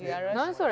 それ。